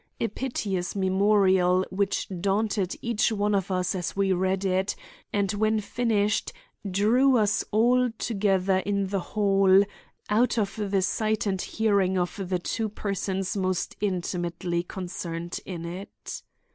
A piteous memorial which daunted each one of us as we read it, and when finished, drew us all together in the hall out of the sight and hearing of the two persons most intimately concerned in it.